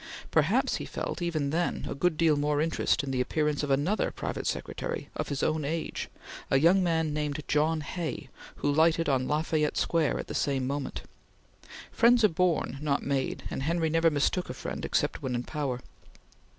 Perhaps he felt, even then, a good deal more interest in the appearance of another private secretary, of his own age, a young man named John Hay, who lighted on LaFayette Square at the same moment. Friends are born, not made, and Henry never mistook a friend except when in power.